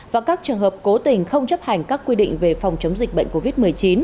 và các trường hợp cố tình không chấp hành các quy định về phòng chống dịch bệnh covid một mươi chín